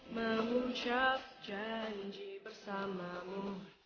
memucap janji bersamamu